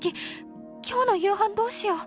今日の夕飯どうしよう。